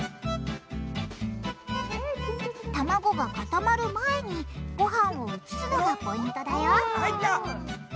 卵が固まる前にごはんを移すのがポイントだよ入った！